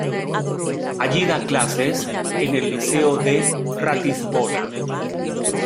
Allí da clases en el Liceo de Ratisbona.